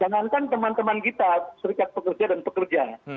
jangankan teman teman kita serikat pekerja dan pekerja